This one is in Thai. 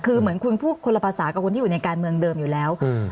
คือเหมือนคุณพูดคนละภาษากับคนที่อยู่ในการเมืองเดิมอยู่แล้ว